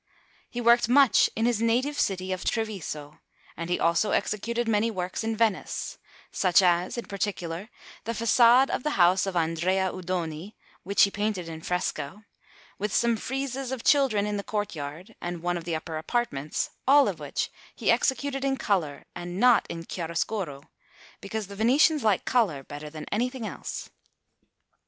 He worked much in his native city of Treviso; and he also executed many works in Venice, such as, in particular, the façade of the house of Andrea Udoni, which he painted in fresco, with some friezes of children in the courtyard, and one of the upper apartments: all of which he executed in colour, and not in chiaroscuro, because the Venetians like colour better than anything else.